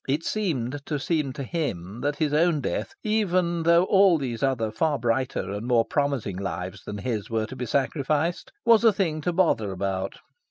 It seemed to seem to him that his own death, even though all those other far brighter and more promising lives than his were to be sacrificed, was a thing to bother about.